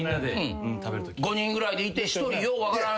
５人ぐらいでいて１人よう分からんやつが。